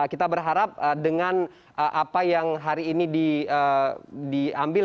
kita berharap dengan apa yang hari ini diambil